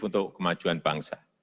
untuk kemajuan bangsa